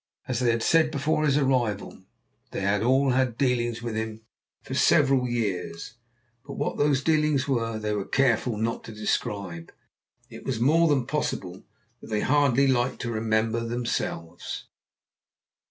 As they had said before his arrival, they had all had dealings with him for several years, but what those dealings were they were careful not to describe. It was more than possible that they hardly liked to remember them themselves.